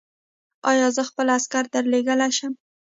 ایا زه خپل عکس درلیږلی شم؟